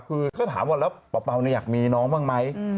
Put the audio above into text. คือถ้าถามว่าแล้วเป่าอยากมีน้องบ้างไหม